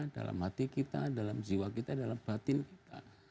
dalam hati kita dalam jiwa kita dalam batin kita